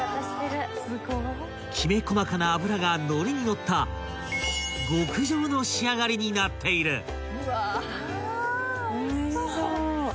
［きめ細かな脂が乗りに乗った極上の仕上がりになっている］